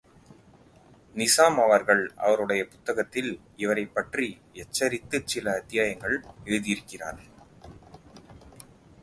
நிசாம் அவர்கள் அவருடைய புத்தகத்தில் இவரைப் பற்றி எச்சரித்துச் சில அத்தியாயங்கள் எழுதியிருக்கிறார்.